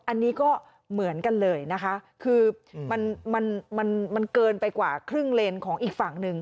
อันนี้ก็เหมือนกันเลยนะคะคือมันมันเกินไปกว่าครึ่งเลนของอีกฝั่งหนึ่ง